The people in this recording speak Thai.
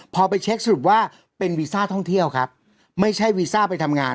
พอไปเช็คสรุปว่าเป็นวีซ่าท่องเที่ยวครับไม่ใช่วีซ่าไปทำงาน